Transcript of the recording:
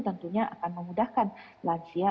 tentunya akan memudahkan lansia